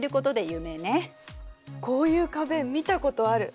こういう壁見たことある。